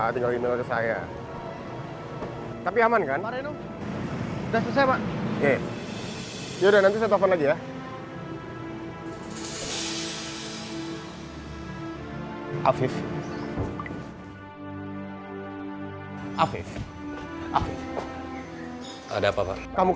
tunggu tanggal mainnya